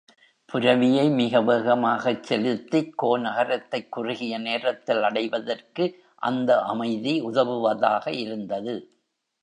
புரவியை மிக வேகமாகச் செலுத்திக் கோநகரத்தைக் குறுகிய நேரத்தில் அடைவதற்கு அந்த அமைதி உதவுவதாக இருந்தது.